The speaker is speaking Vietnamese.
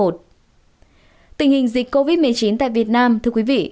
tình hình dịch covid một mươi chín tại việt nam thưa quý vị